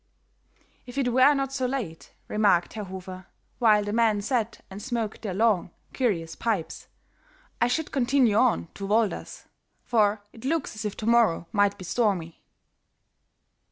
"If it were not so late," remarked Herr Hofer, while the men sat and smoked their long, curious pipes, "I should continue on to Volders, for it looks as if to morrow might be stormy."